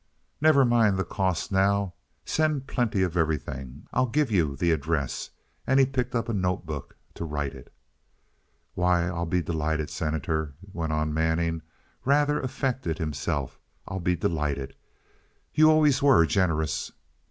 "Never mind the cost now. Send plenty of everything. I'll give you the address," and he picked up a note book to write it. "Why, I'll be delighted, Senator," went on Mr. Manning, rather affected himself. "I'll be delighted. You always were generous."